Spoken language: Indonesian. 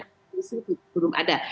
itu belum ada